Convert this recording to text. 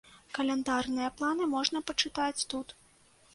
Каляндарныя планы можна пачытаць тут.